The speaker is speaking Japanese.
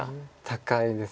高いです。